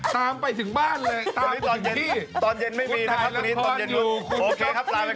คุณไม่ต้องเสียเวลามานั่งรอ